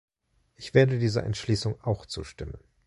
Ich werde dieser Entschließung auch zustimmen.